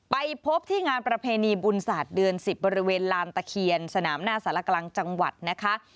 ไปพบที่งานประเพณีบุญศาสตร์เดือน๑๐บริเวณลานตะเคียนสนามหน้าสารกลางจังหวัดนะคะ